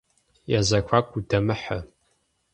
Я зэхуаку удэмыхьэ.